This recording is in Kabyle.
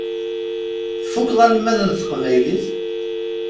Tfukkeḍ almad n teqbaylit?